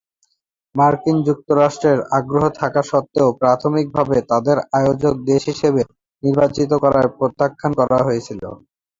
মার্কিন যুক্তরাষ্ট্রের আগ্রহ থাকা সত্ত্বেও প্রাথমিকভাবে তাদের আয়োজক দেশ হিসেবে নির্বাচিত করায় প্রত্যাখ্যান করা হয়েছিল।